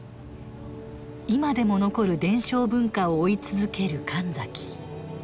今でも残る伝承文化を追い続ける神崎。